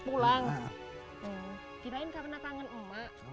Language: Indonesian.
tepuk sini dulu